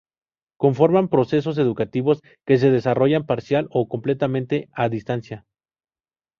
Conforman procesos educativos que se desarrollan parcial o completamente a distancia.